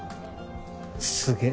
すげえ。